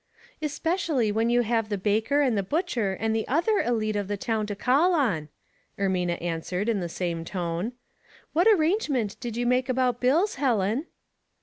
" Especially when you have the baker and the butcher and other elite of the town to call on," Ermina answered, in the same tone. "What ar rangement did you make about bills, Helen